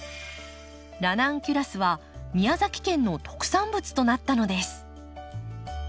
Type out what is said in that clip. ラナンキュラスは宮崎県の特産物となったのです。